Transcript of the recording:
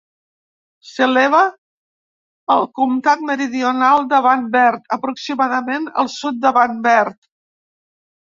S'eleva al comtat meridional de Van Wert, aproximadament al sud de Van Wert.